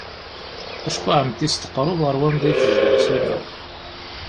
Acku Ɛemti-s teqreb ɣer wanda i tezdeɣ Sima.